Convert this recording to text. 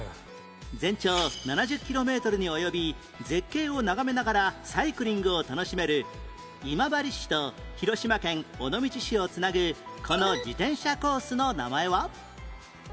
全長７０キロメートルに及び絶景を眺めながらサイクリングを楽しめる今治市と広島県尾道市を繋ぐこの自転車コースの名前は？